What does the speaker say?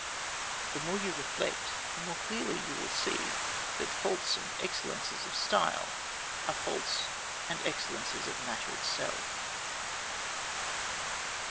The more you reflect, the more clearly you will see that faults and excellences of style are faults and excellences of matter itself.